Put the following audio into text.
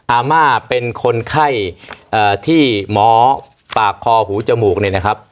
อาม่าเป็นคนไข้ที่หมอปากคอหูจมูก